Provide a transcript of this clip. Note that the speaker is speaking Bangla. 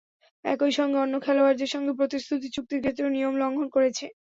একই সঙ্গে অন্য খেলোয়াড়দের সঙ্গে প্রতিশ্রুতি চুক্তির ক্ষেত্রেও নিয়ম লঙ্ঘন করেছে।